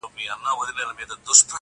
• ورته راغلل غوري ګان د پولاوونو -